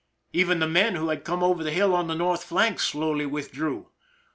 Even the men who had come over the hill on the north flank slowly withdrew.